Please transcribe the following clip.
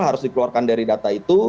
harus dikeluarkan dari data itu